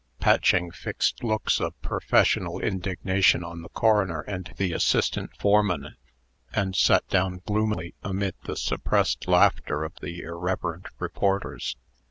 Patching fixed looks of professional indignation on the coroner and the assistant foreman, and sat down gloomily, amid the suppressed laughter of the irreverent reporters.